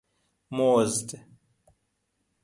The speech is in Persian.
مزد